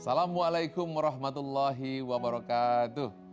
assalamualaikum warahmatullahi wabarakatuh